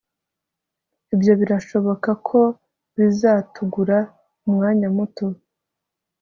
Ibyo birashoboka ko bizatugura umwanya muto